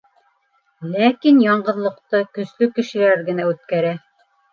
Ләкин яңғыҙлыҡты көслө кешеләр генә күтәрә.